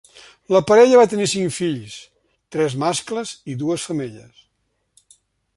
La parella va tenir cinc fills, tres mascles i dues femelles.